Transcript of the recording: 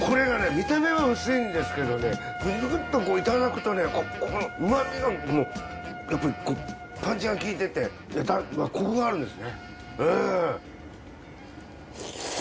見た目は薄いんですけどねグググッといただくとねこの旨みがパンチが効いててコクがあるんですね。